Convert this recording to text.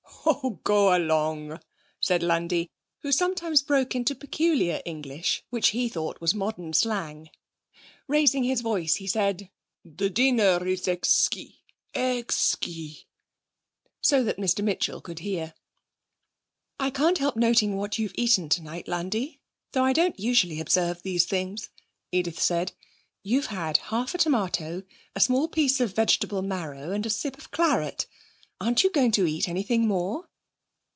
'Oh, go along,' said Landi, who sometimes broke into peculiar English which he thought was modern slang. Raising his voice, he said: 'The dinner is exquis exquis,' so that Mr Mitchell could hear. 'I can't help noting what you've eaten tonight, Landi, though I don't usually observe these things,' Edith said. 'You've had half a tomato, a small piece of vegetable marrow, and a sip of claret. Aren't you going to eat anything more?'